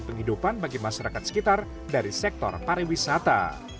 penghidupan bagi masyarakat sekitar dari sektor pariwisata